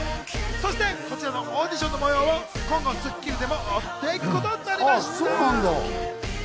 そして、こちらのオーディションの模様を今後『スッキリ』でも追っていくことになりました。